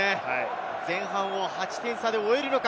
前半を８点差で終えるのか？